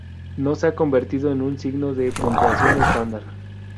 No se ha convertido en un signo de puntuación estándar.